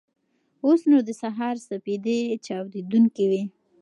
اوس نو د سهار سپېدې چاودېدونکې وې.